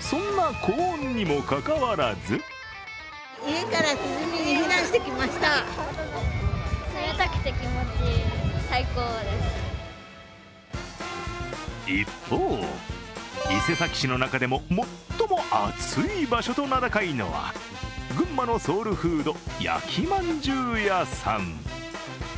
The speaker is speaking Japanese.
そんな高温にもかかわらず一方、伊勢崎市の中でも最も暑い場所と名高いのは群馬のソウルフード、焼きまんじゅう屋さん。